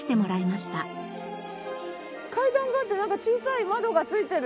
階段があってなんか小さい窓が付いてる。